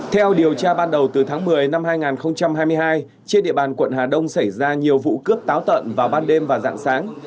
theo điều tra ban đầu từ tháng một mươi năm hai nghìn hai mươi hai trên địa bàn quận hà đông xảy ra nhiều vụ cướp táo tận vào ban đêm và dạng sáng